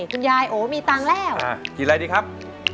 ขีดอะไรดิครับ